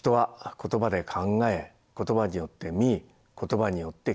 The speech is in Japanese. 言葉によって見言葉によって聞いています。